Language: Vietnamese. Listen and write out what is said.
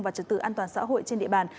và trật tự an toàn xã hội trên địa bàn